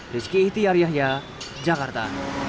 rizky ihtiyar yahya jakarta